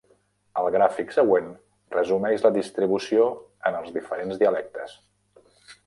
El gràfic següent resumeix la distribució en els diferents dialectes.